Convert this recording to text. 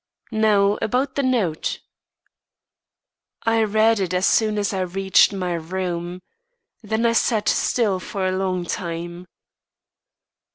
"Now, about the note?" "I read it as soon as I reached my room. Then I sat still for a long time."